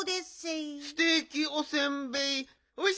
ステーキおせんべい。